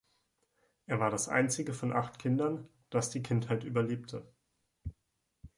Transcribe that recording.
Er war das einzige von acht Kindern, das die Kindheit überlebte.